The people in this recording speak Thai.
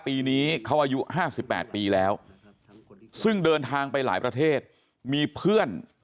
ปีนี้เขาอายุ๕๘ปีแล้วซึ่งเดินทางไปหลายประเทศมีเพื่อน